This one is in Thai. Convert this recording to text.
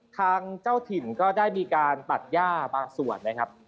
ทางเจ้าถิ่นก็ได้มีการตัดย่าบางส่วนนะครับ